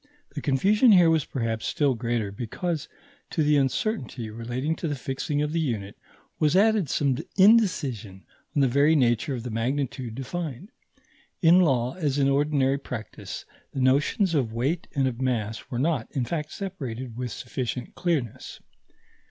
The confusion here was perhaps still greater, because, to the uncertainty relating to the fixing of the unit, was added some indecision on the very nature of the magnitude defined. In law, as in ordinary practice, the notions of weight and of mass were not, in fact, separated with sufficient clearness.